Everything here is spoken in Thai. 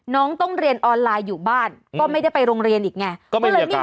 น้องต้องเรียนออนไลน์อยู่บ้านก็ไม่ได้ไปโรงเรียนอีกไง